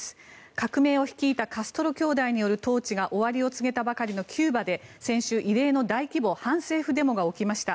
革命を率いたカストロ兄弟による統治が終わりを告げたばかりのキューバで先週、異例の大規模反政府デモが起きました。